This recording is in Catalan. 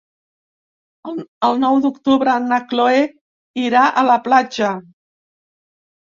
El nou d'octubre na Chloé irà a la platja.